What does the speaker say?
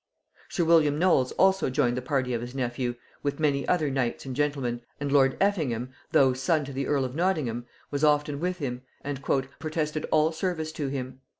Sir William Knolles also joined the party of his nephew, with many other knights and gentlemen, and lord Effingham, though son to the earl of Nottingham, was often with him, and "protested all service" to him.